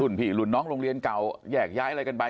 หลุ่นผิดน้องโรงเรียนเก่าแยกใยอะไรกันไบ